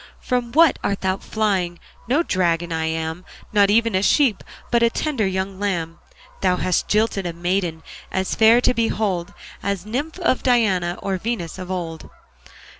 From what art thou flying? No dragon I am, Not even a sheep, But a tender young lamb. Thou hast jilted a maiden As fair to behold As nymph of Diana Or Venus of old.